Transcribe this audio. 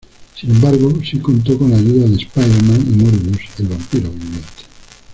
Sin embargo, sí contó con la ayuda de Spider-Man y Morbius, el vampiro viviente.